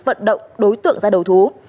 vận động đối tượng ra đầu thú